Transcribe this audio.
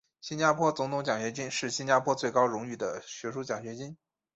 新加坡总统奖学金是新加坡最高荣誉的学术奖学金。